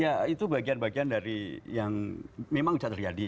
ya itu bagian bagian dari yang memang bisa terjadi